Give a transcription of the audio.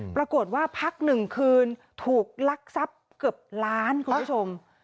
ปรากฏว่าพักหนึ่งคืนถูกลักทรัพย์เกือบล้านคุณผู้ชม